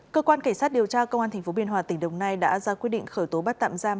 cơ quan cảnh sát điều tra công an tp biên hòa tỉnh đồng nai đã ra quyết định khởi tố bắt tạm giam